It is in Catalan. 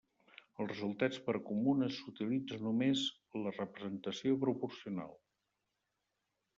Els resultats per a comunes s'utilitza només la representació proporcional.